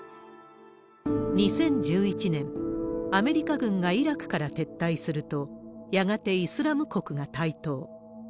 ２０１１年、アメリカ軍がイラクから撤退すると、やがてイスラム国が台頭。